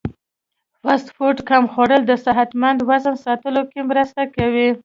فاسټ فوډ کم خوړل د صحتمند وزن ساتلو کې مرسته کوي.